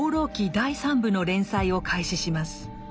第三部の連載を開始します。